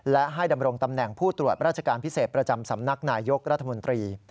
และให้ดำรงตำแหน่งผู้ตรวจราชการพิเศษประจำสำนักนายยกรัฐมนตรี